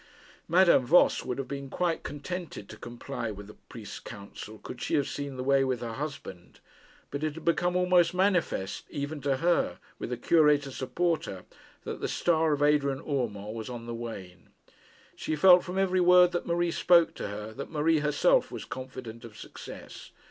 Madame Voss would have been quite contented to comply with the priest's counsel, could she have seen the way with her husband. But it had become almost manifest even to her, with the Cure to support her, that the star of Adrian Urmand was on the wane. She felt from every word that Marie spoke to her, that Marie herself was confident of success.